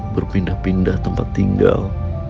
berpindah pindah tempat tinggal